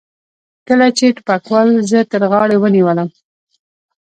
کله چې ټوپکوال زه تر غاړې ونیولم.